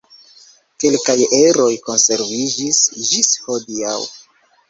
Kelkaj eroj konserviĝis ĝis hodiaŭ.